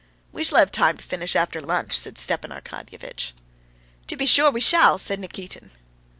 "We shall have time to finish after lunch," said Stepan Arkadyevitch. "To be sure we shall!" said Nikitin.